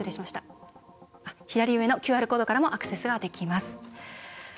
左上のＱＲコードからもアクセスができます。